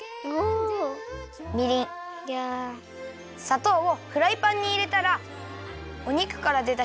さとうをフライパンにいれたらお肉からでたしるを。